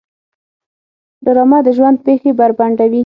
ډرامه د ژوند پېښې بربنډوي